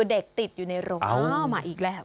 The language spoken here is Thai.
เด็กติดอยู่ในโรงอ้าวมาอีกแล้ว